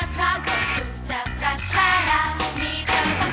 ช่องทะยาก็เบียนดี